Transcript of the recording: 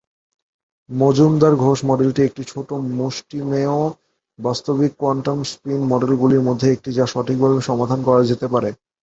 মজুমদার-ঘোষ মডেলটি একটি ছোট মুষ্টিমেয় বাস্তবিক কোয়ান্টাম স্পিন মডেলগুলির মধ্যে একটি, যা সঠিকভাবে সমাধান করা যেতে পারে।